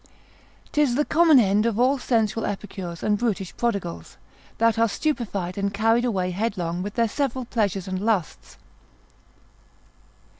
'Tis the common end of all sensual epicures and brutish prodigals, that are stupefied and carried away headlong with their several pleasures and lusts.